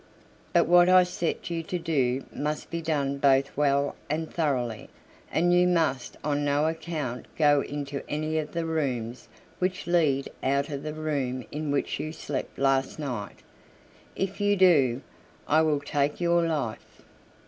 But what I set you to do must be done both well and thoroughly, and you must on no account go into any of the rooms which lead out of the room in which you slept last night. If you do, I will take your life."